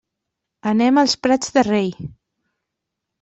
Anem als Prats de Rei.